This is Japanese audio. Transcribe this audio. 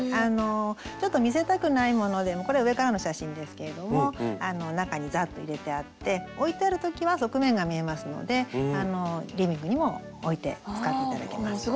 ちょっと見せたくないものでもこれ上からの写真ですけれども中にザッと入れてあって置いてある時は側面が見えますのでリビングにも置いて使って頂けます。